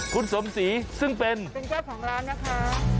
คุณสมศรีซึ่งเป็นเจ้าของร้านนะคะ